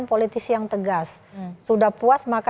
ini berat tentang harus memeliti pemerintahan